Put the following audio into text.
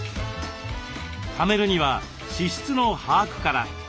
ためるには支出の把握から。